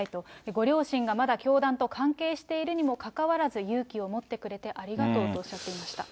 ご両親がまだ教団と関係しているにもかかわらず、勇気を持ってくれて、ありがとうとおっしゃっていました。